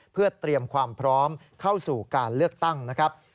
เพื่อเตรียมความพร้อมเข้าสู่การเลือกตั้งนะครับ